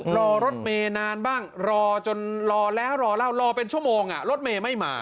รอรถเมย์นานบ้างรอจนรอแล้วรอเล่ารอเป็นชั่วโมงรถเมย์ไม่มา